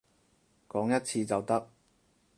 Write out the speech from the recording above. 講一次就得